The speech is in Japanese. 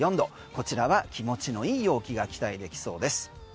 こちらは気持ちの良い陽気が期待できそうです。